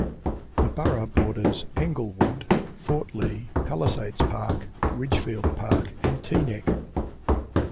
The borough borders Englewood, Fort Lee, Palisades Park, Ridgefield Park and Teaneck.